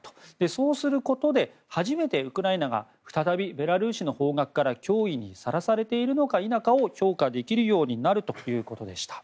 そうすることで初めてウクライナが再びベラルーシの方角から脅威にさらされているのか否かを評価できるようになるということでした。